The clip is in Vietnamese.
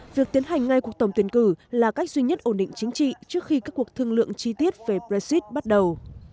việc tiến hành ngay cuộc tổng tuyển cử là cách duy nhất ổn định chính trị trước khi các cuộc thương lượng chi tiết về brexit bắt đầu